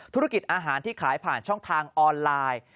ธุรกิจอาหารที่ขายผ่านช่องทางออนไลน์